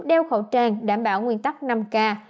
đeo khẩu trang đảm bảo nguyên tắc năm k